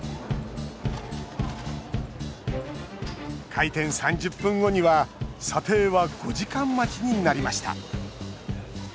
開店３０分後には査定は５時間待ちになりました。